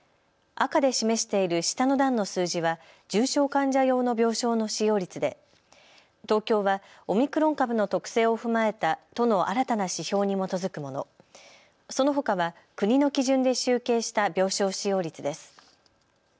赤で示している下の段の数字は重症患者用の病床の使用率で東京はオミクロン株の特性を踏まえた都の新たな指標に基づくもの、そのほかは国の基準で集計した病床使用率です。